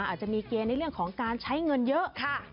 อาจจะมีเกณฑ์ในเรื่องของการใช้เงินเยอะค่ะ